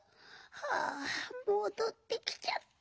はあもどってきちゃった。